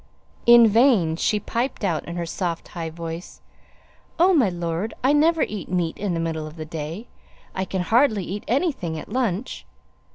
In vain she piped out in her soft, high voice, "Oh, my lord! I never eat meat in the middle of the day; I can hardly eat anything at lunch."